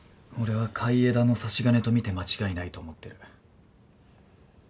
俺は海江田の差し金と見て間違いないと思ってる。